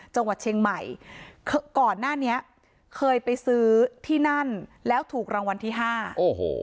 จังหวัดเชียงใหม่ก่อนหน้านี้เคยไปซื้อที่นั่นแล้วถูกรางวัลที่ห้าโอ้โห